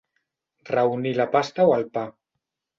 Reunir la pasta o el pa.